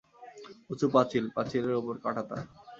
উঁচু পাচিল, পাঁচিলের উপর কাটা তার।